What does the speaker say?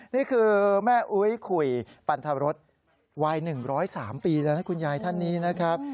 นี่คือแม่อุ๊ยคุยปันทรศวัย๑๐๓ปีแล้วนะคุณยายท่านนี้นะครับ